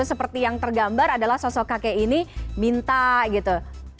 seperti yang tergambar adalah sosok kakek ini minta gitu